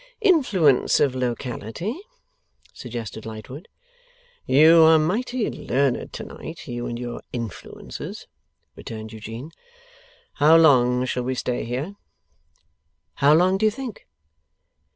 'Influence of locality,' suggested Lightwood. 'You are mighty learned to night, you and your influences,' returned Eugene. 'How long shall we stay here?' 'How long do you think?